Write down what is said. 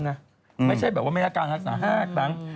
ไม่ใช่แบบว่าไม่ได้การรักษา๕ครั้ง